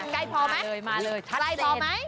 ไกลพอมั้ยไกลพอมั้ย